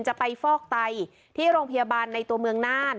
จะไปฟอกไตที่โรงพยาบาลในตัวเมืองน่าน